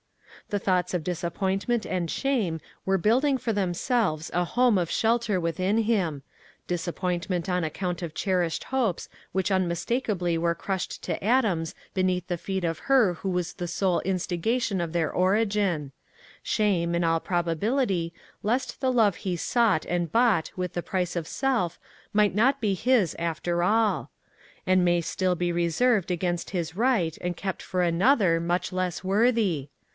The thoughts of disappointment and shame were building for themselves a home of shelter within him disappointment on account of cherished hopes which unmistakably were crushed to atoms beneath the feet of her who was the sole instigation of their origin; shame, in all probability, lest the love he sought and bought with the price of self might not be his after all! and may still be reserved against his right and kept for another much less worthy!